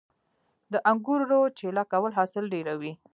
د انګورو چیله کول حاصل ډیروي